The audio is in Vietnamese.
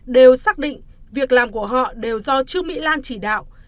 đều xác định việc làm của họ đều do trương mỹ lan chỉ đạo